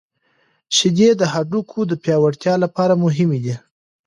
شیدې د هډوکو د پیاوړتیا لپاره مهمې دي.